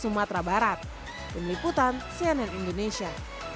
ke sumatera barat peneliputan cnn indonesia